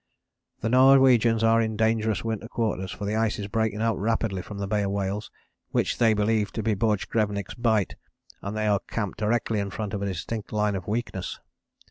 "The Norwegians are in dangerous winter quarters, for the ice is breaking out rapidly from the Bay of Whales which they believe to be Borchgrevink's Bight, and they are camped directly in front of a distinct line of weakness.